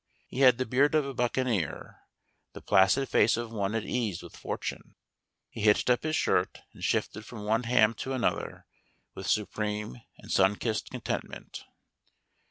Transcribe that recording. He had the beard of a buccaneer, the placid face of one at ease with fortune. He hitched up his shirt and shifted from one ham to another with supreme and sunkissed contentment.